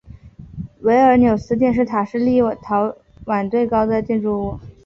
维尔纽斯电视塔是立陶宛最高的建筑物。